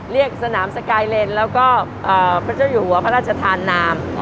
สนามสกายเลนแล้วก็พระเจ้าอยู่หัวพระราชทานนาม